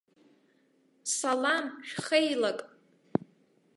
Салам шәхеилак.